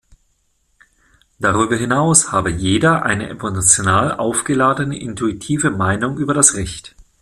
Darüber hinaus habe jeder eine emotional aufgeladene, intuitive Meinung über das Recht.